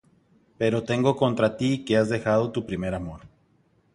Pero tengo contra ti que has dejado tu primer amor.